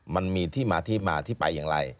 มันมีที่มาที่มาที่ไปอย่างไร